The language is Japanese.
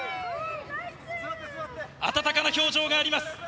温かな表情があります。